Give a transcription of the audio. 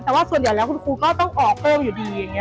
แต่ว่าส่วนใหญ่แล้วคุณครูก็ต้องออกเพิ่มอยู่ดีอย่างนี้